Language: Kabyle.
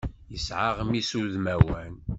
Yesɛa aɣmis udmawan.